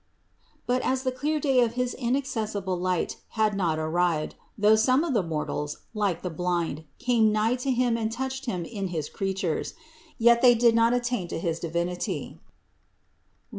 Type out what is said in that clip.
But as the clear day of his inac cessible light had not arrived, though some of the mor tals, like the blind, came nigh to Him and touched Him in his creatures, yet they did not attain to the Divinity (Rom.